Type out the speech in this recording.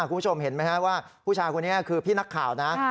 คุณผู้ชมเห็นไหมครับว่าผู้ชายคนนี้คือพี่นักข่าวนะ